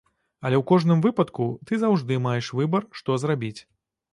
Але ў кожным выпадку, ты заўжды маеш выбар, што зрабіць.